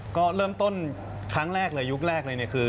ก็เริ่มต้นครั้งแรกเลยยุคแรกเลยเนี่ยคือ